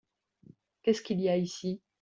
Qu'est-ce qu'il y a ici ?